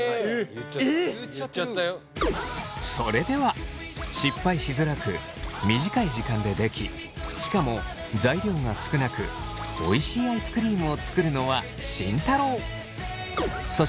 それでは失敗しづらく短い時間でできしかも材料が少なくおいしいアイスクリームを作るのは慎太郎。